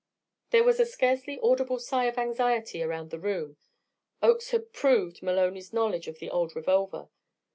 There was a scarcely audible sigh of anxiety around the room Oakes had proved Maloney's knowledge of the old revolver.